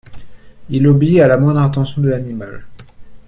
Il obéit à la moindre intention de l’animal.